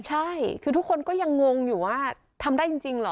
ใช่คือทุกคนก็ยังงงอยู่ว่าทำได้จริงเหรอ